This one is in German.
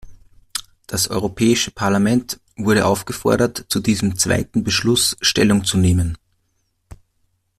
Das Europäische Parlament wurde aufgefordert, zu diesem zweiten Beschluss Stellung zu nehmen.